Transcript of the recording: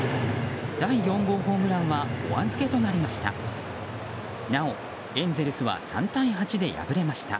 第４号ホームランはお預けとなりました。